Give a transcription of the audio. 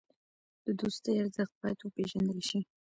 د دوستۍ ارزښت باید وپېژندل شي.